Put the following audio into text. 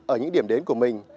ở những điểm đến của mình